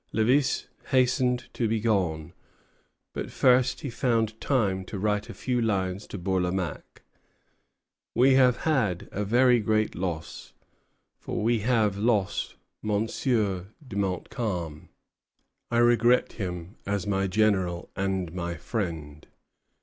Lévis hastened to be gone; but first he found time to write a few lines to Bourlamaque. "We have had a very great loss, for we have lost M. de Montcalm. I regret him as my general and my friend.